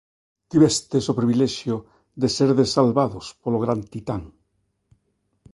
Tivestes o privilexio de serdes salvados polo Gran Titán.